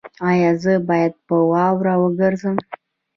ایا زه باید په واوره وګرځم؟